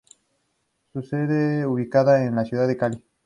Su sede está ubicada en la ciudad de Cali.